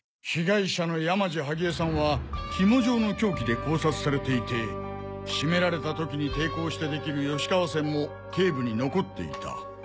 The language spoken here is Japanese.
被害者の山路萩江さんはヒモ状の凶器で絞殺されていて絞められた時に抵抗してできる吉川線も頸部に残っていた。